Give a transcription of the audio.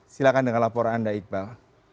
silahkan dengan laporan anda iqbal